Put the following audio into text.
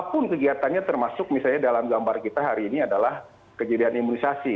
apapun kegiatannya termasuk misalnya dalam gambar kita hari ini adalah kejadian imunisasi